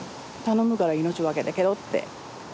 「頼むから命分けてけろって。